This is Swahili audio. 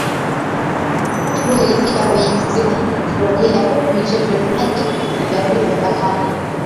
Watu huelekea kwenye kisiwa hiki kufurahia fukwe michezo ya maji na vyakula vya bahari